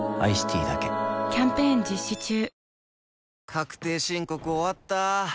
⁉確定申告終わった。